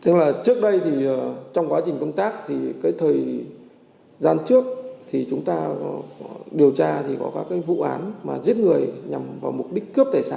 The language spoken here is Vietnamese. xem là trước đây thì trong quá trình công tác thì cái thời gian trước thì chúng ta điều tra thì có các cái vụ án mà giết người nhằm vào mục đích cướp tài sản